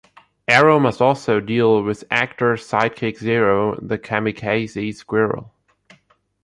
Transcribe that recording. Aero must also deal with Ektor's sidekick Zero the Kamikaze Squirrel.